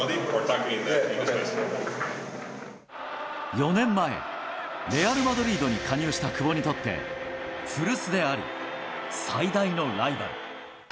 ４年前、レアル・マドリードに加入した久保にとって、古巣であり、最大のライバル。